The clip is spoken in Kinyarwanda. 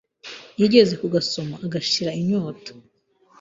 yigeze kugasoma agashira inyota